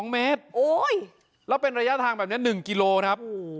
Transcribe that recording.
๒เมตรแล้วเป็นระยะทางแบบนี้๑กิโลครับ